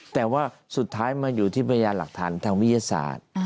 แต่ว่าสุดท้ายมาอยู่ที่พยานหลักฐานทางวิทยาศาสตร์